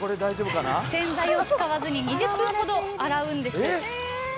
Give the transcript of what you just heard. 洗剤を使わずに２０分ほど洗うんです。